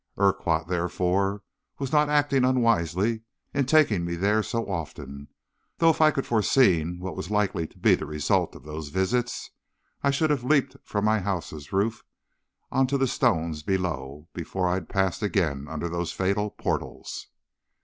Urquhart, therefore, was not acting unwisely in taking me there so often, though, if I could have foreseen what was likely to be the result of those visits, I should have leaped from my house's roof on to the stones below before I had passed again under those fatal portals.